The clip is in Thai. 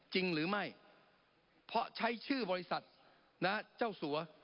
จริงหรือไม่เพราะใช้ชื่อบริษัทนะเจ้าสัว